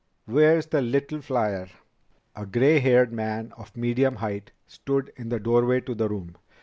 Where's the little flier?" A gray haired man of medium height stood in the doorway to the room.